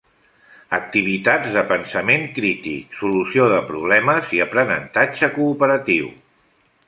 Activitats de pensament crític, solució de problemes i aprenentatge cooperatiu.